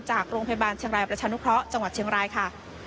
จากโรงพยาบาลเชียงรายประชานุเคราะห์จังหวัดเชียงรายค่ะ